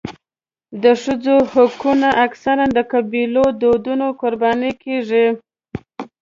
د ښځو حقونه اکثره د قبیلوي دودونو قرباني کېږي.